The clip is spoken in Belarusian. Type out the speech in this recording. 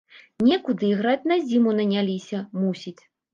Некуды іграць на зіму наняліся, мусіць.